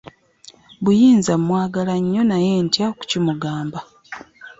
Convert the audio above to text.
Buyinza mwagala nnyo naye ntya okukimugamba.